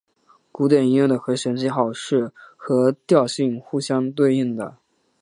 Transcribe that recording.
古典音乐的和弦记号是和调性互相对应的。